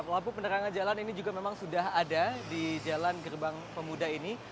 lampu penerangan jalan ini juga memang sudah ada di jalan gerbang pemuda ini